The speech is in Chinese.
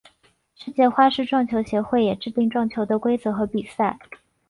世界花式撞球协会也制定撞球的规则和比赛。